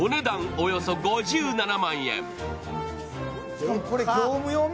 およそ５７万円。